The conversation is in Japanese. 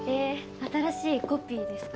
新しいコピーですか？